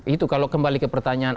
itu kalau kembali ke pertanyaan